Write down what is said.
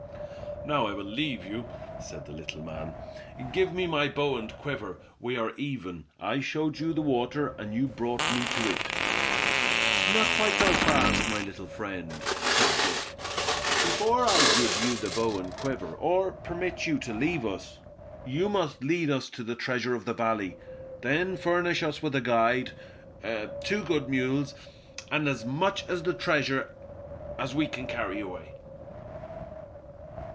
"Now I will leave you," said the little man. "Give me my bow and quiver. We are even, I showed you the water, and you brought me to it." "Not quite so fast, my little friend," said Dick. "Before I give you the bow and quiver, or permit you to leave us, you must lead us to the treasure of the valley, then furnish us with a guide, two good mules, and as much of the treasure as we can carry away."